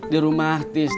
di rumah artis